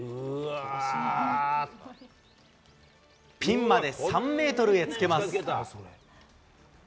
ピンまで３メートルへつけます。